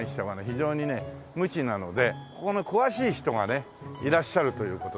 非常にね無知なのでここに詳しい人がねいらっしゃるという事で。